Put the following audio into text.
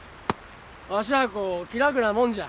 わしゃあこ気楽なもんじゃ。